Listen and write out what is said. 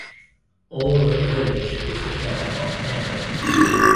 Or that the village was declared a "hot area".